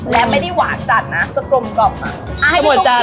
และไม่ได้หวานจัดนะสกลมกล่อมอ่ะอ่ะให้ทุกคนกินไปก่อน